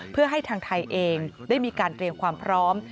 เพื่อให้ทางไทยเองได้มีการเตรียมความพร้อม